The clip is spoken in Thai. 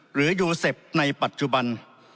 หรือยูเซฟในปัจจุบัน